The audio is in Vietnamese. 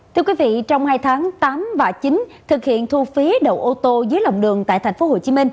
thưa quý vị trong hai tháng tám và chín thực hiện thu phí đậu ô tô dưới lòng đường tại tp hcm